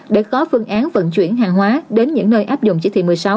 để có phương án vận chuyển hàng hóa đến những nơi áp dụng chỉ thị một mươi sáu